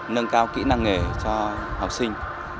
nâng cao kỹ năng nghề cho học sinh